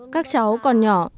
các cháu còn nhỏ